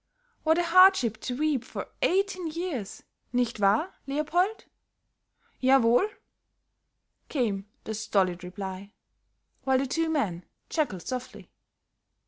"What a hardship to weep for eighteen years, nicht wahr, Leopold?" "Yawohl," came the stolid reply, while the two men chuckled softly.